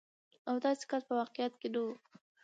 او داسې کس په واقعيت کې نه وي.